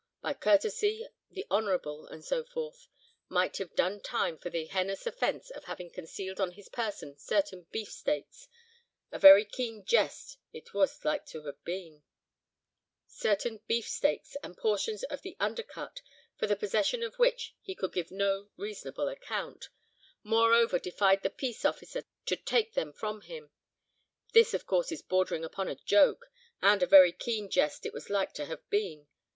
by courtesy the Honourable, and so forth, might have 'done time' for the heinous offence of having concealed on his person certain beefsteaks and portions of the 'undercut' for the possession of which he could give no reasonable account—moreover defied the peace officer to take them from him. This of course is bordering upon a joke, and a very keen jest it was like to have been.